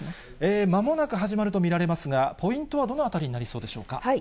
間もなく始まると見られますが、ポイントはどのあたりになりそうでしょうか。